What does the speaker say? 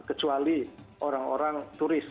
kecuali orang orang turis